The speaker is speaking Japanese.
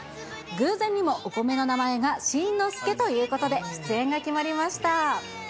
偶然にもお米の名前が新之助ということで、出演が決まりました。